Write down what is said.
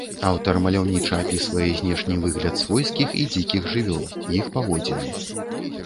Аўтар маляўніча апісвае знешні выгляд свойскіх і дзікіх жывёл, іх паводзіны.